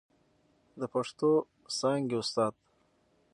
د پښتو څانګې استاد